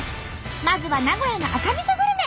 まずは名古屋の赤みそグルメ！